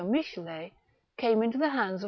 Michelet, came into the hands of M.